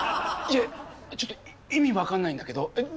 ちょっと意味分かんないんだけどえっ？